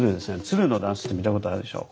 鶴のダンスって見たことあるでしょ？